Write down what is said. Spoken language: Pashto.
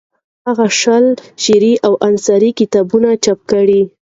هغه شل شعري او نثري کتابونه چاپ کړي.